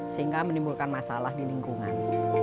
sehingga menimbulkan masalah di lingkungan